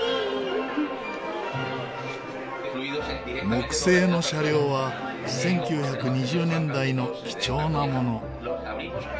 木製の車両は１９２０年代の貴重なもの。